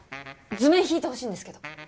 図面引いてほしいんですけど。